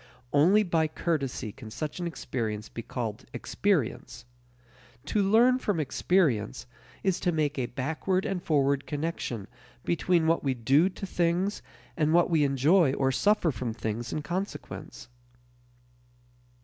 Only by courtesy can such an experience be called experience. To "learn from experience" is to make a backward and forward connection between what we do to things and what we enjoy or suffer from things in consequence.